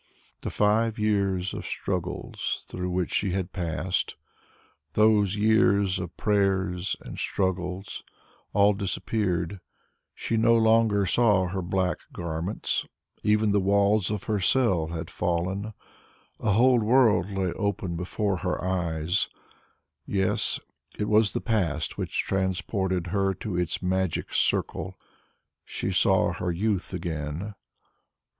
The five years of struggles through which she had passed, those years of prayers and struggles, all disappeared; she no longer saw her black garments; even the walls of her cell had fallen; a whole world lay open before her. Yes, it was the past which transported her to its magic circle; she saw her youth again.